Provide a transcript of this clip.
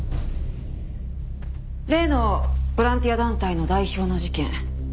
例のボランティア団体の代表の事件